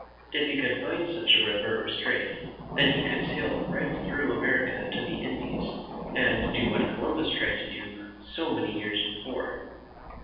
If he could find such a river or strait, then he could sail right through America to the Indies, and do what Columbus tried to do so many years before.